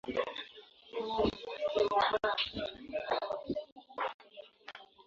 Bwana pokea sifa kila kuchao.